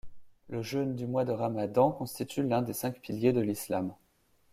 Le jeûne du mois de Ramadan constitue l'un des cinq piliers de l'islam.